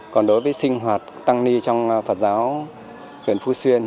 còn đối với sinh hoạt tăng ni trong phật giáo huyện phú xuyên